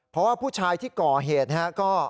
เพราะว่าผู้ชายที่ก่อเหตุนะครับ